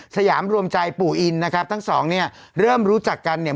สยามรวมใจปู่อินนะครับทั้งสองเนี่ยเริ่มรู้จักกันเนี่ย